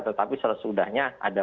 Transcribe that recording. tetapi selesudahnya ada